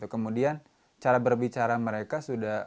kemudian cara berbicara mereka sudah